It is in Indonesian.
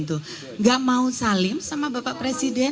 tidak mau salim sama bapak presiden